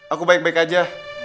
aku baik baik aja